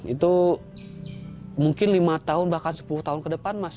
itu mungkin lima tahun bahkan sepuluh tahun ke depan mas